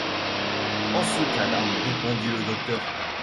En ce cas-là, répondit le docteur